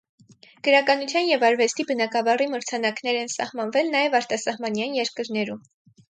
Գրականության և արվեստի բնագավառի մրցանակներ են սահմանվել նաև արտասահմանյան երկրներում։